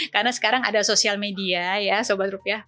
karena sekarang ada sosial media ya sobat rupiah